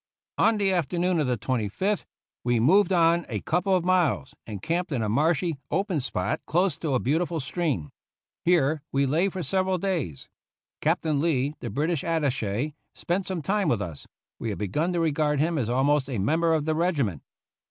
On the afternoon of the 25th we moved on a couple of miles, and camped in a marshy open spot close to a beautiful stream. Here we lay for several days. Captain Lee, the British attache, spent some time with us ; we had begun to regard him as almost a member of the regiment.